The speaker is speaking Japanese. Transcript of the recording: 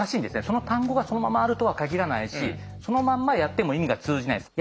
その単語がそのままあるとは限らないしそのまんまやっても意味が通じないです。